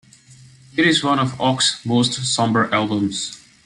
It is one of Ochs's most somber albums.